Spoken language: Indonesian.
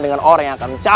dan menangkan mereka